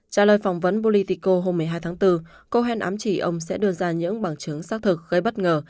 trả lời phỏng vấn bolitico hôm một mươi hai tháng bốn cohen ám chỉ ông sẽ đưa ra những bằng chứng xác thực gây bất ngờ